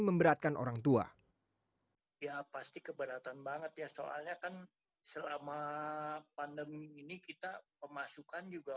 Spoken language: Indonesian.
memberatkan orang tua ya pasti keberatan banget ya soalnya kan selama pandemi ini kita pemasukan juga